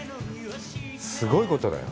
すごいことだよ。